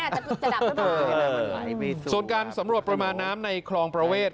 จะดับได้ไหมส่วนการสำรวจปรมาณน้ำในคลองประเวศ